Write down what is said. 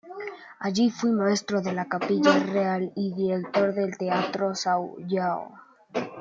Allí fue Maestro de la Capilla Real y director del teatro São João.